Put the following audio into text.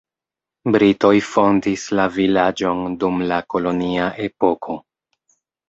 Britoj fondis la vilaĝon dum la kolonia epoko.